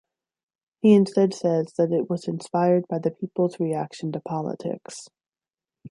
He instead says that it was inspired by the people's reaction to politics.